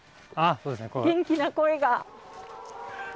元気な声が。